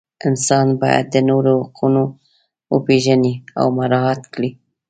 انسان باید د نورو حقونه وپیژني او مراعات کړي.